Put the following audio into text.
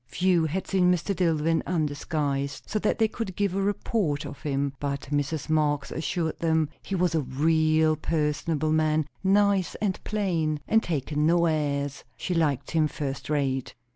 Few had seen Mr. Dillwyn undisguised, so that they could give a report of him; but Mrs. Marx assured them he was "a real personable man; nice and plain, and takin' no airs. She liked him first rate."